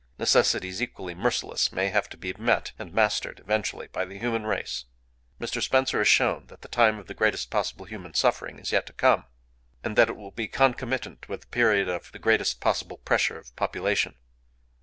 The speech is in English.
Necessities equally merciless may have to be met and mastered eventually by the human race. Mr. Spencer has shown that the time of the greatest possible human suffering is yet to come, and that it will be concomitant with the period of the greatest possible pressure of population.